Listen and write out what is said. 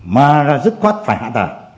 mà rất quá phải hạ tải